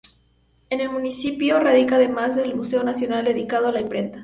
En el municipio radica además un museo nacional dedicado a la imprenta.